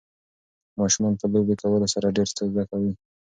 ماشومان په لوبې کولو سره ډېر څه زده کوي.